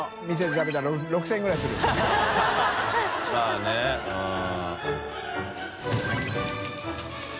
まぁねうん。